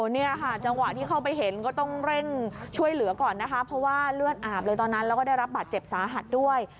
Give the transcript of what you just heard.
เนี่ยค่ะจังหวะที่เข้าไปเห็นก็ต้องเร่งช่วยเหลือก่อนนะคะเพราะว่าเลือดอาบเลยตอนนั้นแล้วก็ได้รับบาดเจ็บสาหัสด้วย